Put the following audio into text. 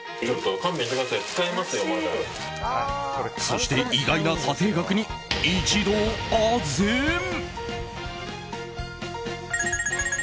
そして、意外な査定額に一同あぜん。